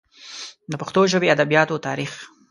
د پښتو ژبې ادبیاتو تاریخ